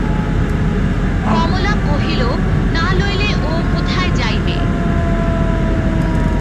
কমলা কহিল, না লইলে ও কোথায় যাইবে?